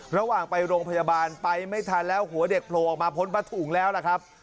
ระหว่างไปโรงพยาบาลไปไม่ทันแล้วหัวเด็กโผล่ออกมาพ้นประถุงแล้วล่ะครับ